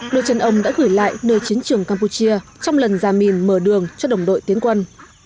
đội trần ông đã gửi lại nơi chiến trường campuchia trong lần gia mìn mở đường cho đồng đội tiến quân